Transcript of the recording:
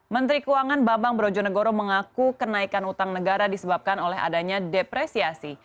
menteri keuangan bambang brojonegoro mengaku kenaikan utang negara disebabkan oleh adanya depresiasi